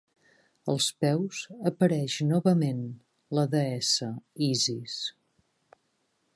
Als peus apareix novament la deessa Isis.